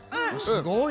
すごい。